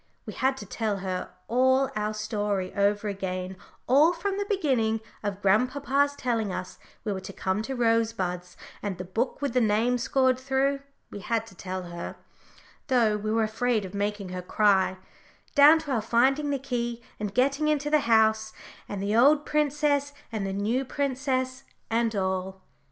We had to tell her all our story over again, all from the beginning of grandpapa's telling us we were to come to Rosebuds, and the book with the name scored through; we had to tell her, though we were afraid of making her cry, down to our finding the key and getting into the house, and the old princess, and the new princess, and all.